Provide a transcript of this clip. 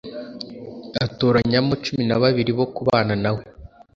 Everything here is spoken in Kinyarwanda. Atoranyamo cumi na babiri bo kubana na we